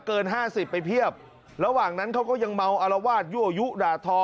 เกิน๕๐มิลลิกรัมไปเพียบระหว่างนั้นเขาก็ยังเมาอลวาดยั่วยุด่าทอ